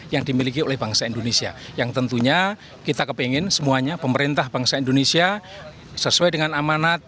yang tentunya kita kepingin semuanya pemerintah bangsa indonesia sesuai dengan amanat